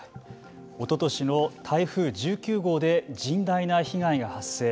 おととしの台風１９号で甚大な被害が発生。